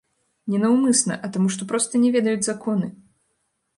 Не наўмысна, а таму што проста не ведаюць законы?